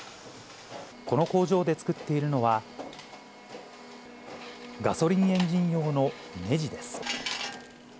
この工場で作っているのは、ガソリンエンジン用のねじです。